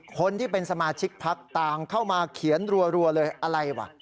คนที่เป็นสมาชิกพักต่างเข้ามาเขียนรัวเลยอะไรวะ